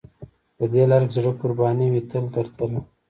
په دې لار کې زړه قربان وي تل تر تله.